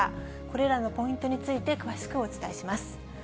これらのポイントについて、詳しくお伝えします。